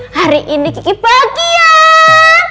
hari ini gigi pagi ya